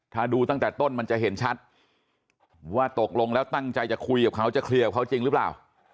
ถ้าดูตั้งแต่ต้นมันจะเห็นชัดว่าตกลงแล้วตั้งใจจะคุยกับเขาจะเคลียร์กับเขาจริงหรือเปล่า